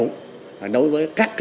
đối với các thương nhân nhận quyền